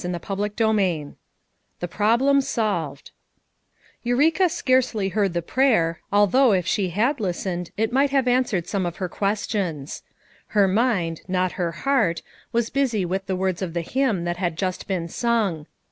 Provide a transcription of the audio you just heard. CHAPTER X THE PEOBLEM SOLVED Eureka scarcely heard the prayer, although If she had listened it might have answered some of her questions. Her mind — not her heart — was busy with the words of the hymn that had just been sung.